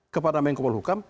kepada menko pol hukum